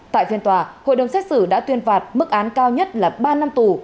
tại phiên tòa hội đồng xét xử đã tuyên phạt mức án cao nhất là ba năm tù